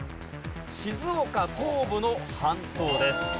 静岡東部の半島です。